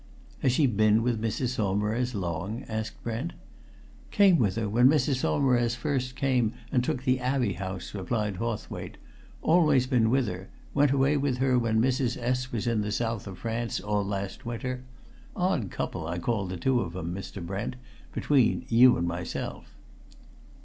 "Has she been with Mrs. Saumarez long?" asked Brent. "Came with her, when Mrs. Saumarez first came and took the Abbey House," replied Hawthwaite. "Always been with her; went away with her when Mrs. S. was in the South of France all last winter. Odd couple I call the two of 'em, Mr. Brent; between you and myself."